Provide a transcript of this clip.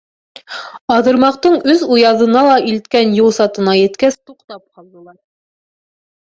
Аҙырмаҡтың өс уяҙына ла илткән юл сатына еткәс, туҡтап ҡалдылар.